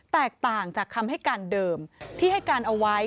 แตกต่างจากคำให้การเดิมที่ให้การเอาไว้